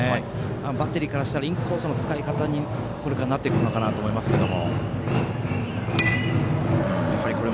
バッテリーからしたらインコースの使い方になってくるのかなと思いますけど。